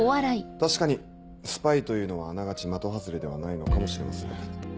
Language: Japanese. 確かにスパイというのはあながち的外れではないのかもしれません。